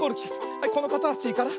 はいこのかたちから。